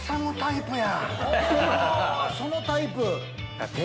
そのタイプ。